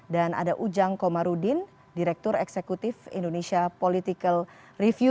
dan ada ujang komarudin direktur eksekutif indonesia political review